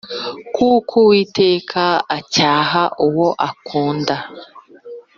kuko uwiteka acyaha uwo akunda,